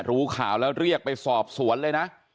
รู้ข่าวแล้วเรียกไปสอบสวนเลยนะ